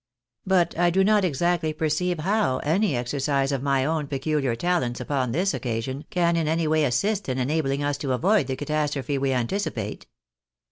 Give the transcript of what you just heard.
But I do not exactly perceive how any exercise of my own peculiar talents upon this occasion, can in any way assist in enabling us to avoid the catastrophe we anticipate."